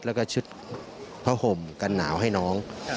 แล้วก็ชุดผ้าห่มกันหนาวให้น้อง